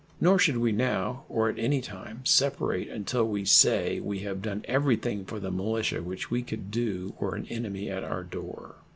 Nor should we now or at any time separate until we say we have done everything for the militia which we could do were an enemy at our door.